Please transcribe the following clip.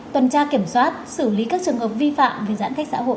tuần tra kiểm soát xử lý các trường hợp vi phạm về giãn cách xã hội